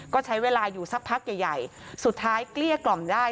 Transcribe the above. ก็ใช้เวลาอยู่สักพักใหญ่ใหญ่สุดท้ายเกลี้ยกล่อมได้